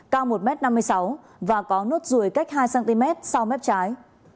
cao một m năm mươi sáu và có nốt ruồi cách hai cm sau mép trái